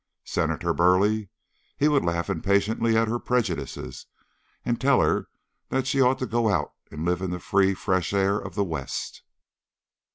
Senator Burleigh? He would laugh impatiently at her prejudices, and tell her that she ought to go out and live in the free fresh air of the West.